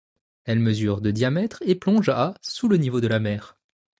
Elle mesure de diamètre et plonge à sous le niveau de la mer.